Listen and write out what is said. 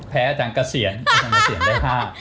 อาจารย์เกษียณอาจารย์เกษียณได้๕